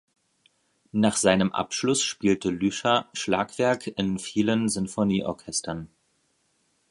Nach seinem Abschluss spielte Lüscher Schlagwerk in vielen Sinfonieorchestern.